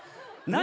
何？